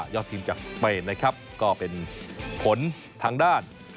อดทีมจากสเปนนะครับก็เป็นผลทางด้าน